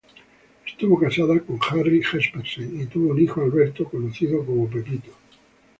Estuvo casada con Harry Jespersen y tuvo un hijo, Albert conocido como Buddy.